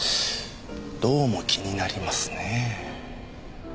どうも気になりますねぇ。